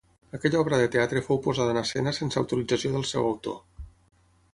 Aquella obra de teatre fou posada en escena sense autorització del seu autor.